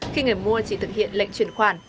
khi người mua chỉ thực hiện lệnh truyền khoản